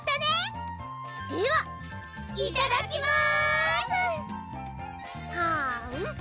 ではいただきます！